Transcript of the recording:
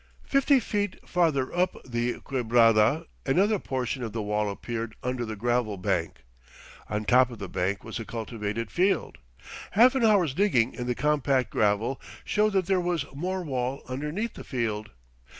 Fifty feet farther up the quebrada another portion of wall appeared under the gravel bank. On top of the bank was a cultivated field! Half an hour's digging in the compact gravel showed that there was more wall underneath the field.